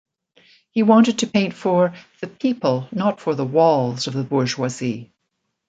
He wanted to paint for "the people, not for the walls of the bourgeoisie".